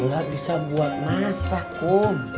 nggak bisa buat masak kok